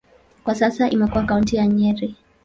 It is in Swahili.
Kwa sasa imekuwa kaunti ya Nyeri.